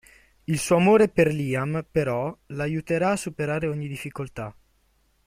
Il suo amore per Liam, però, la aiuterà a superare ogni difficoltà.